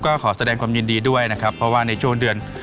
ก็ขอแสดงความยินดีด้วยนะครับเพราะว่าในช่วงเดือน